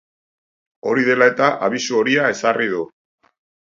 Hori dela eta, abisu horia ezarri du.